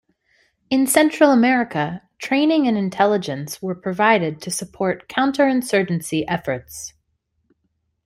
In Central America, training and intelligence were provided to support counter-insurgency efforts.